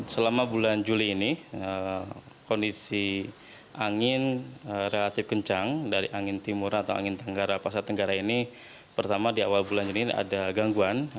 selama bulan juli ini kondisi angin relatif kencang dari angin timur atau angin tenggara pasar tenggara ini pertama di awal bulan juni ada gangguan